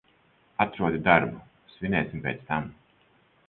Atrodi darbu, svinēsim pēc tam.